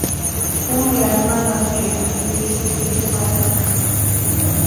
কোন ল্যান্ডমার্ক আছে যে তিনি খুঁজে পেতে পারেন?